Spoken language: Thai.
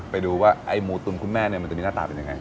ไปดูว่าไอ้หมูตุ๋นคุณแม่มันจะมีหน้าตาเป็นยังไง